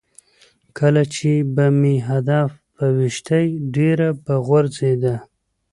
کله چې به مې هدف په ویشتی ډېره به غورځېده.